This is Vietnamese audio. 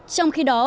trong khi đó